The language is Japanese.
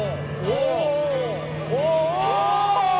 お！